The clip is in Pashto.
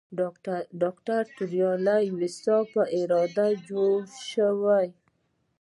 د ډاکټر توریالي ویسا په اراده جوړ شوی.